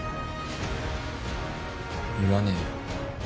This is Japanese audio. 言わねえよ